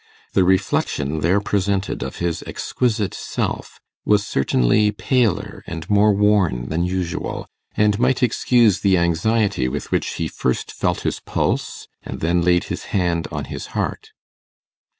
The reflection there presented of his exquisite self was certainly paler and more worn than usual, and might excuse the anxiety with which he first felt his pulse, and then laid his hand on his heart.